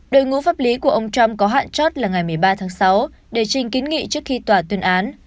đội ngũ pháp lý của ông trump có hạn chót là ngày một mươi ba tháng sáu để trình kiến nghị trước khi tòa tuyên án